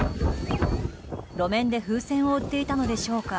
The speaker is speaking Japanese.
路面で風船を売っていたのでしょうか。